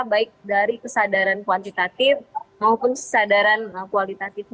baik dari kesadaran kuantitatif maupun kesadaran kualitatif